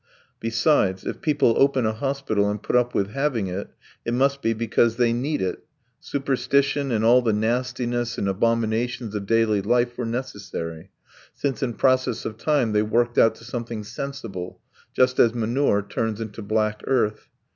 Besides, if people open a hospital and put up with having it, it must be because they need it; superstition and all the nastiness and abominations of daily life were necessary, since in process of time they worked out to something sensible, just as manure turns into black earth.